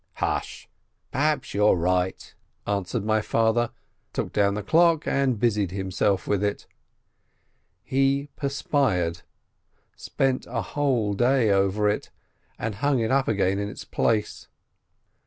"Hush, perhaps you're right," answered my father, took down the clock and busied himself with it. He perspired, spent a whole day over it, and hung it up again in its place.